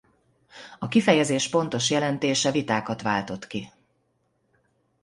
A kifejezés pontos jelentése vitákat váltott ki.